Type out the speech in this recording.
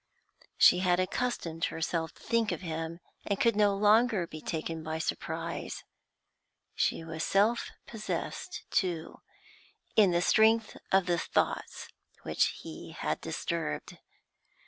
She had accustomed herself to think of him, and could no longer be taken by surprise. She was self possessed, too, in the strength of the thoughts which he had disturbed.